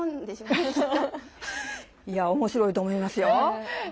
いやおもしろいと思いますよ。